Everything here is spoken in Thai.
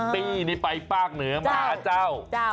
ปี้นี่ไปภาคเหนือมาเจ้า